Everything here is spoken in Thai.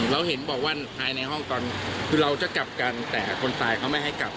เราเห็นบอกว่าภายในห้องตอนคือเราจะกลับกันแต่คนตายเขาไม่ให้กลับ